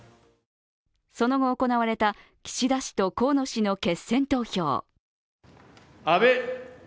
その後行われた岸田氏と河野氏の決選投票。